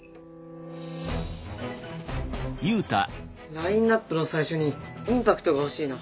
ラインナップの最初にインパクトが欲しいな。